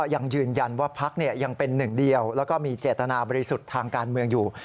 ยังยืนยันว่าพักยังเป็นหนึ่งเดียวแล้วก็มีเจตนาบริสุทธิ์ทางการเมืองอยู่